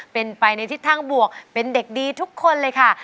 เป็นไปในทิศทางบวกเป็นเด็กดีทุกคนเลยค่ะ